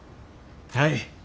はい。